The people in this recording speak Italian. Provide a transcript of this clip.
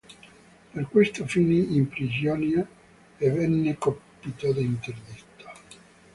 Per questo finì in prigionia e venne colpito da interdetto.